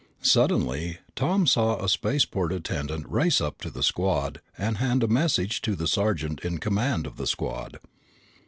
Suddenly Tom saw a spaceport attendant race up to the squad and hand a message to the sergeant in command of the squad.